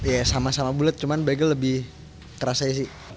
ya sama sama bulat cuman bagel lebih keras aja sih